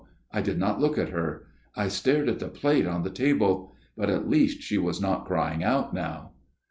I did not look at her. I stared at the plate on the table ; but at least she was not crying out now.